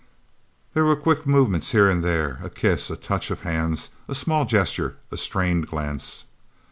There were quick movements here and there a kiss, a touch of hands, a small gesture, a strained glance.